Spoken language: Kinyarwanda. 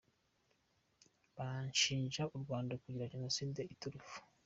Bashinja n’u Rwanda kugira Jenoside iturufu.